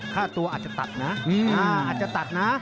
ค่าตัวอาจจะตัดนะอาจจะตัดนะ